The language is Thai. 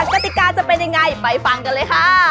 กติกาจะเป็นยังไงไปฟังกันเลยค่ะ